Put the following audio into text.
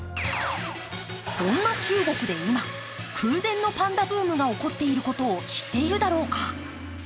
そんな中国で今、空前のパンダブームが起こっていることを知っているだろうか？